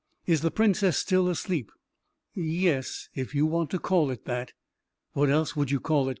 Is the Princess still asleep ?"" Yes — if you want to call it that." " What else would you call it?